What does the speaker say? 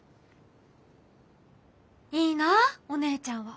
「いいなぁお姉ちゃんは。